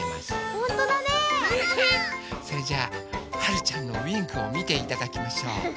それじゃあはるちゃんのウインクをみていただきましょう。